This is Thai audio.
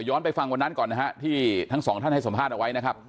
ไปฟังวันนั้นก่อนนะฮะที่ทั้งสองท่านให้สัมภาษณ์เอาไว้นะครับ